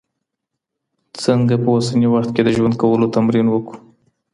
څنګه په اوسني وخت کي د ژوند کولو تمرین وکړو؟